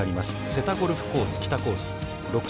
瀬田ゴルフコース・北コース。